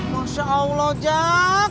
masya allah jack